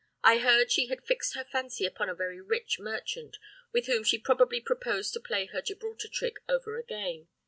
I heard she had fixed her fancy upon a very rich merchant, with whom she probably proposed to play her Gibraltar trick over again.